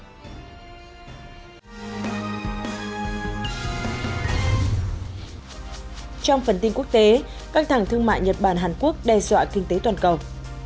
trong phần tin quốc tế căng thẳng thương mại nhật bản hàn quốc đe dọa kinh tế toàn cầu